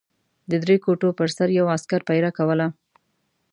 د درې کوټو پر سر یو عسکر پېره کوله.